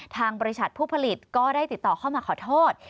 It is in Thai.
ทางบริษัทผู้ผลิตก็ได้ติดต่อเข้ามาขอโทษ